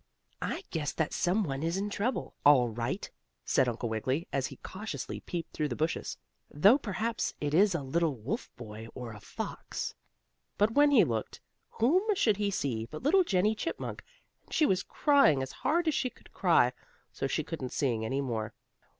"I guess that's some one in trouble, all right," said Uncle Wiggily, as he cautiously peeped through the bushes. "Though, perhaps, it is a little wolf boy, or a fox." But when he looked, whom should he see but little Jennie Chipmunk, and she was crying as hard as she could cry, so she couldn't sing any more.